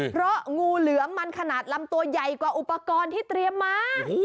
เพราะงูเหลือมมันขนาดลำตัวใหญ่กว่าอุปกรณ์ที่เตรียมมา